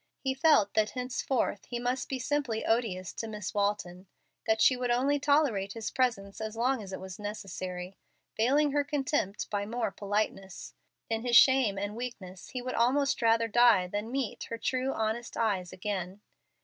He felt that henceforth he must be simply odious to Miss Walton, that she would only tolerate his presence as long as it was necessary, veiling her contempt by more politeness. In his shame and weakness he would almost rather die than meet her true, honest eyes again.